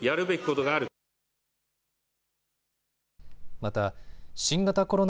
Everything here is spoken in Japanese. また新型コロナ